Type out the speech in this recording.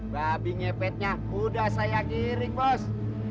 babi ngepetnya udah saya kirik bos